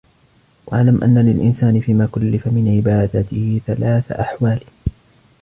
وَاعْلَمْ أَنَّ لِلْإِنْسَانِ فِيمَا كُلِّفَ مِنْ عِبَادَاتِهِ ثَلَاثَ أَحْوَالٍ